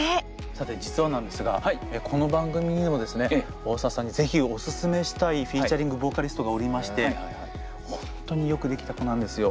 さて実はなんですがこの番組にもですね大沢さんに是非おすすめしたいフィーチャリングボーカリストがおりまして本当によくできた子なんですよ。